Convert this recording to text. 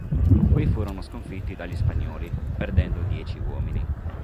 Qui furono sconfitti dagli spagnoli, perdendo dieci uomini.